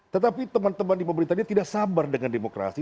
tetapi teman teman di pemerintah ini tidak sabar dengan demokrasi